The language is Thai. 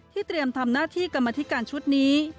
เตรียมทำหน้าที่กรรมธิการชุดนี้